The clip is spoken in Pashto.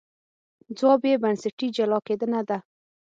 ځواب یې بنسټي جلا کېدنه ده.